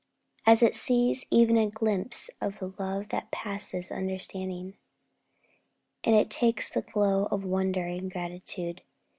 As it sees even a glimpse of the love that passeth knowledge, it takes the glow of wonder and gratitude.